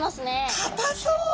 かたそう！